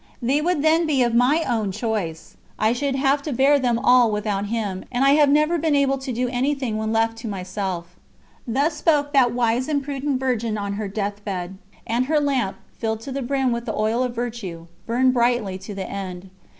They would then be of my own choice. I should have to bear them all without Him, and I have never been able to do anything when left to myself." Thus spoke that wise and prudent Virgin on her deathbed, and her lamp, filled to the brim with the oil of virtue, burned brightly to the end.